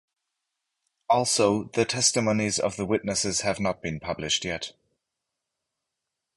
Also, the testimonies of witnesses have not been published yet.